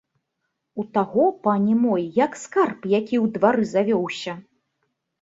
У таго, пане мой, як скарб які ў двары завёўся.